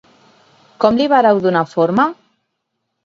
Com li vareu donar forma?